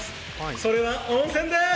それは温泉です！